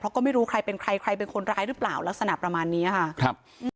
เพราะก็ไม่รู้ใครเป็นใครใครเป็นคนร้ายหรือเปล่าลักษณะประมาณเนี้ยค่ะครับอืม